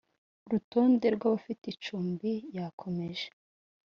rutonde rw abadafite icumbi yakomeje